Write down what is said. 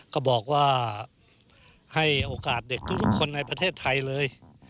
ก็บอกว่าให้โอกาสเด็กทุกคนในประเทศไทยเลย